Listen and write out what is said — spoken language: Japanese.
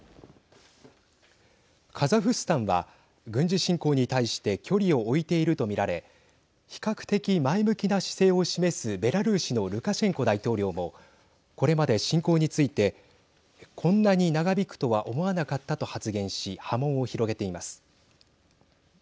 カザフスタンは軍事侵攻に対して距離を置いているとみられ比較的、前向きな姿勢を示すベラルーシのルカシェンコ大統領もこれまで、侵攻についてこんなに長引くとは思わなかったと発言し波紋を広げています。